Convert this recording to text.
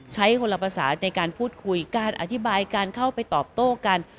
คนละภาษาในการพูดคุยการอธิบายการเข้าไปตอบโต้กัน